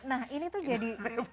nah ini tuh jadi